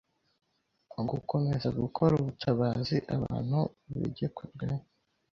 gukomeze gukore ubutebezi ebentu begekurwemo.